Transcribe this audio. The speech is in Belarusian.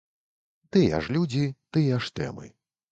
Тыя ж людзі, тыя ж тэмы.